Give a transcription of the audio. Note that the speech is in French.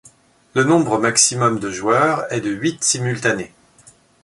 Le nombre maximum de joueurs est de huit simultanés.